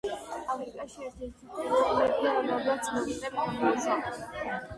აფრიკაში ერთ-ერთი პირველი მეფე, რომელმაც მონეტები გამოუშვა.